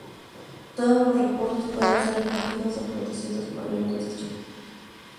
Todos los recursos pueden ser recogidos o producidos por la industria.